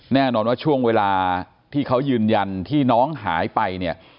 แน่นอนว่าช่วงเวลาที่เขายืนยันที่น้องหายไปเนี่ย